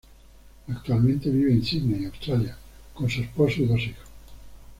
Actualmente vive en Sydney, Australia, con su esposo y dos hijos.